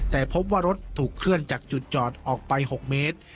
แต่พบว่ารถถูกเคลื่อนจากจุดจอดออกไป๖เมตร